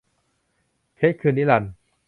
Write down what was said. เพชรคือนิรันดร์